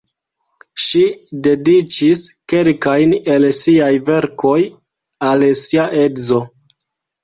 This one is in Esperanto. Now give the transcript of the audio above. Ŝi dediĉis kelkajn el siaj verkoj al sia edzo.